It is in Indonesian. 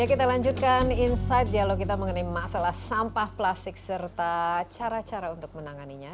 ya kita lanjutkan insight dialog kita mengenai masalah sampah plastik serta cara cara untuk menanganinya